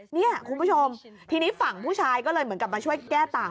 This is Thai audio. เนี่ยคุณผู้ชมทีนี้ฝั่งผู้ชายก็เลยเหมือนกับมาช่วยแก้ต่าง